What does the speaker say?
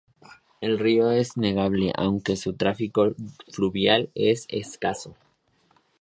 El río es navegable, aunque su tráfico fluvial es escaso.